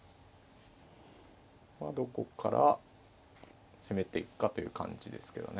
まあどこから攻めていくかという感じですけどね。